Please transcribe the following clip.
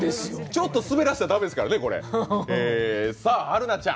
ちょっと滑らせたら駄目ですからね、これ。